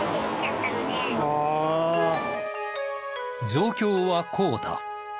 状況はこうだ。